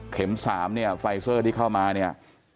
๓เนี่ยไฟเซอร์ที่เข้ามาเนี่ย